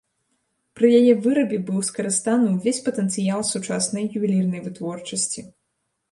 Пры яе вырабе быў скарыстаны ўвесь патэнцыял сучаснай ювелірнай вытворчасці.